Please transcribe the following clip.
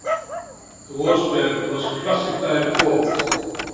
Rosberg was classified fourth.